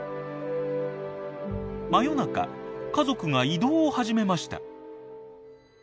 真夜中家族が移動を始めました。